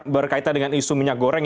berkaitan dengan isu minyak goreng